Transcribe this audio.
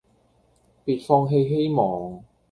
別放棄希望